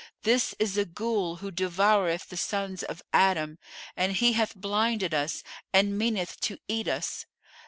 This is a Ghul who devoureth the Sons of Adam and he hath blinded us and meaneth to eat us.